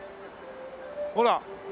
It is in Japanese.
ほら！